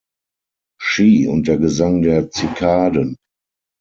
Shi und der Gesang der Zikaden".